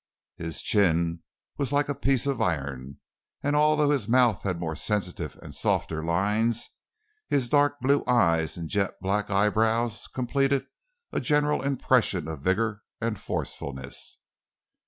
His chin was like a piece of iron, and although his mouth had more sensitive and softer lines, his dark blue eyes and jet black eyebrows completed a general impression of vigour and forcefulness.